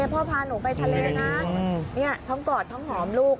พ่อพาหนูไปทะเลนะทั้งกอดทั้งหอมลูก